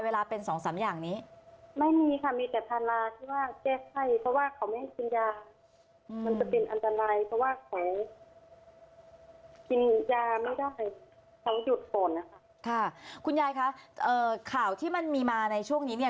เวลาเป็นสองสามอย่างนี้